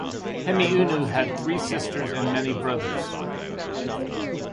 Hemiunu had three sisters and many brothers.